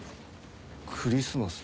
クリスマス？